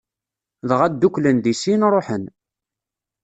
Dɣa dduklen di sin, ṛuḥen.